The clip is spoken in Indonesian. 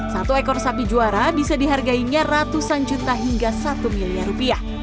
satu ekor sapi juara bisa dihargainya ratusan juta hingga satu miliar rupiah